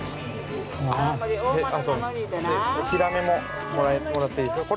◆ヒラメも、もらっていいですか。